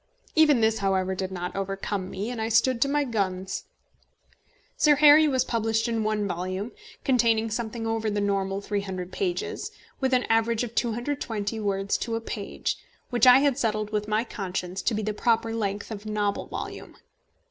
Even this, however, did not overcome me, and I stood to my guns. Sir Harry was published in one volume, containing something over the normal 300 pages, with an average of 220 words to a page, which I had settled with my conscience to be the proper length of a novel volume.